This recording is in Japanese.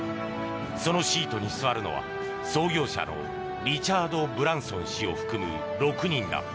そのシートに座るのは、創業者のリチャード・ブランソン氏を含む６人だ。